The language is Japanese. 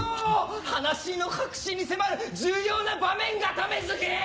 話の核心に迫る重要な場面が！